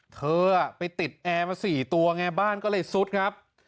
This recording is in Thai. เธอไปติดแอร์มา๔ตัวไงบ้านก็เลยซุดครับ